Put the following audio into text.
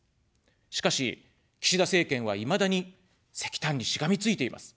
しかし、岸田政権はいまだに石炭にしがみついています。